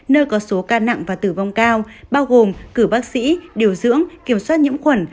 nơi có số ca nặng và tử vong cao bao gồm cử bác sĩ điều dưỡng kiểm soát nhiễm khuẩn